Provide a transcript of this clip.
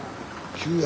急や。